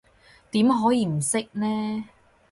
點可以唔識呢？